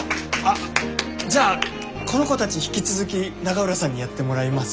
じゃあこの子たち引き続き永浦さんにやってもらいます？